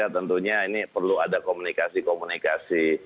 dua puluh tiga tentunya ini perlu ada komunikasi komunikasi